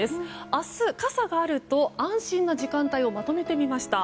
明日、傘があると安心な時間帯をまとめてみました。